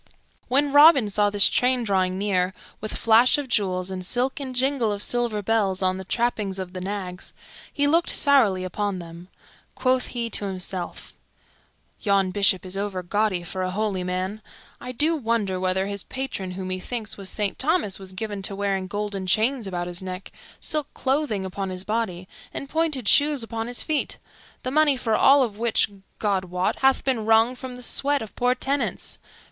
When Robin saw this train drawing near, with flash of jewels and silk and jingle of silver bells on the trappings of the nags, he looked sourly upon them. Quoth he to himself, "Yon Bishop is overgaudy for a holy man. I do wonder whether his patron, who, methinks, was Saint Thomas, was given to wearing golden chains about his neck, silk clothing upon his body, and pointed shoes upon his feet; the money for all of which, God wot, hath been wrung from the sweat of poor tenants.